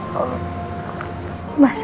mas randy udah